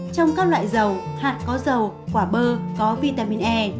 trong các loại dầu hạt có dầu quả bơ có vitamin e